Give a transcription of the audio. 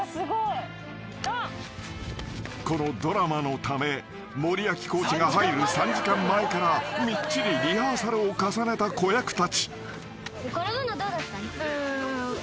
［このドラマのため森脇コーチが入る３時間前からみっちりリハーサルを重ねた子役たち］